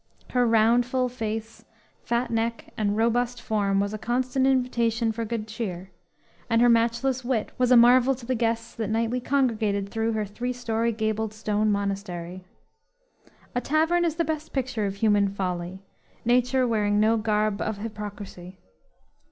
Her round, full face, fat neck and robust form was a constant invitation for good cheer, and her matchless wit was a marvel to the guests that nightly congregated through her three story gabled stone monastery. A tavern is the best picture of human folly, nature wearing no garb of hypocrisy.